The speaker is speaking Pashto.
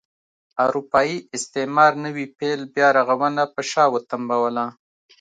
اروپايي استعمار نوي پیل بیا رغونه پر شا وتمبوله.